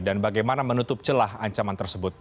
dan bagaimana menutup celah ancaman tersebut